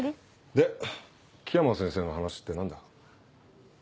で樹山先生の話って何だ？